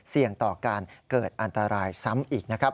เสี่ยงต่อการเกิดอันตรายซ้ำอีกนะครับ